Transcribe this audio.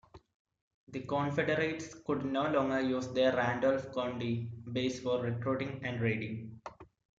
The Confederates could no longer use their Randolph County base for recruiting and raiding.